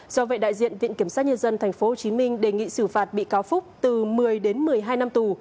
do vậy đại diện viện kiểm sát nhân dân tp hcm đề nghị xử phạt bị cáo phúc từ một mươi đến một mươi hai năm tù